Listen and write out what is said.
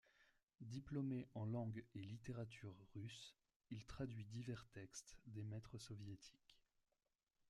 Diplômé en langue et littérature russe, il traduit divers textes des maitres soviétiques.